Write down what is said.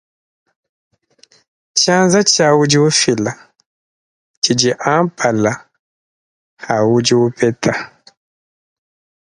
Tshianza tshia udi ufila tshidi ampala atshidi upeta.